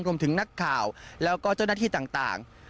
รวมถึงนักข่าวแล้วก็เจ้าหน้าที่ต่าง